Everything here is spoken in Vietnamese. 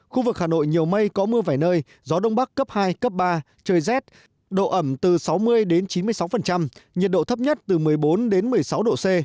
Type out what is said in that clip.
khu vực hà nội nhiều mây có mưa vài nơi gió đông bắc cấp hai cấp ba trời rét độ ẩm từ sáu mươi đến chín mươi sáu nhiệt độ thấp nhất từ một mươi bốn đến một mươi sáu độ c